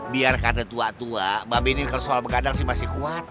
biar kata tua tua mbak be ini soal begadang sih masih kuat